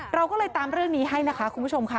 เราก็เลยตามเรื่องนี้ให้นะคะคุณผู้ชมค่ะ